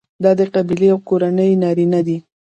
دا د قبیلې او کورنۍ نارینه دي.